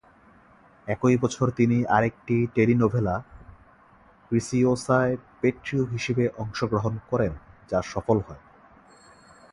একই বছর তিনি আরেকটি টেলিনোভেলা "প্রিসিওসা"য় "পেট্রিও" হিসেবে অংশগ্রহণ করেন, যা সফল হয়।